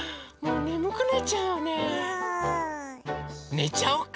ねちゃおうか！